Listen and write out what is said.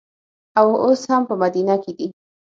او اوس هم په مدینه کې دي.